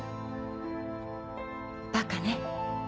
バカね